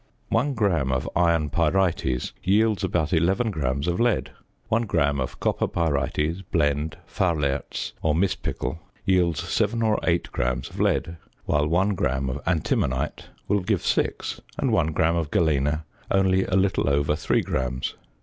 One gram of iron pyrites yields about 11 grams of lead. One gram of copper pyrites, blende, fahlerz, or mispickel, yields 7 or 8 grams of lead, whilst 1 gram of antimonite will give 6, and 1 gram of galena only a little over 3 grams.